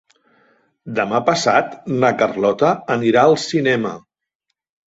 Demà passat na Carlota anirà al cinema.